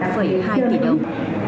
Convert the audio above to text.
một hai tỷ đồng